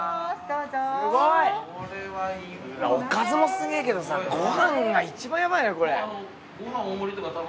うわおかずもすげぇけどさご飯が一番ヤバいねこれ。